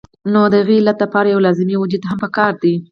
نو د هغې علت د پاره يو لازمي وجود هم پکار دے